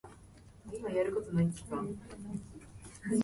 Both women were white South Africans.